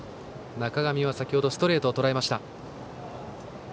中上は先程ストレートをとらえました。